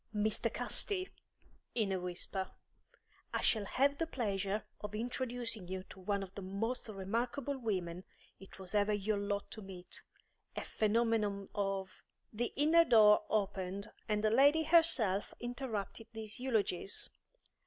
Mr. Casti," in a whisper, "I shall have the pleasure of introducing you to one of the most remarkable women it was ever your lot to meet; a phenomenon of " The inner door opened, and the lady herself interrupted these eulogies.